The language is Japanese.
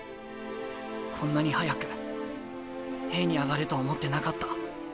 こんなに早くＡに上がると思ってなかった。